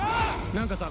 何かさ